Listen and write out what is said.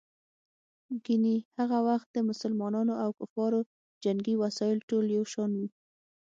ګیني هغه وخت د مسلمانانو او کفارو جنګي وسایل ټول یو شان وو.